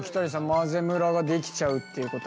混ぜムラができちゃうっていうことなんですけど。